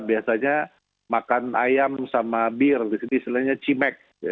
biasanya makan ayam sama bir di sini istilahnya cimek